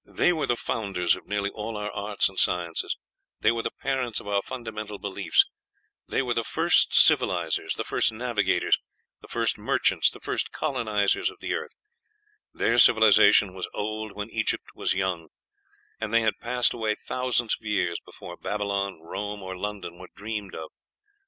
They were the founders of nearly all our arts and sciences; they were the parents of our fundamental beliefs; they were the first civilizers, the first navigators, the first merchants, the first colonizers of the earth; their civilization was old when Egypt was young, and they had passed away thousands of years before Babylon, Rome, or London were dreamed of.